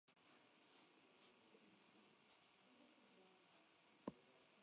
El mismo entrenamiento que se realizaba en Horsham era revolucionario.